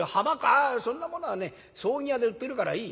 「あそんなものはね葬儀屋で売ってるからいい」。